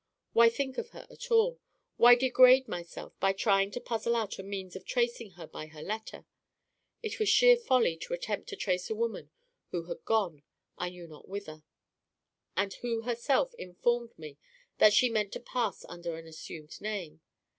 Why think of her at all? Why degrade myself by trying to puzzle out a means of tracing her in her letter? It was sheer folly to attempt to trace a woman who had gone I knew not whither, and who herself informed me that she meant to pass under an assumed name.